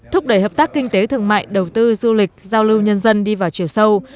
thúc đẩy hợp tác kinh tế thương mại đầu tư du lịch giao lưu nhân dân đi vào chiều sâu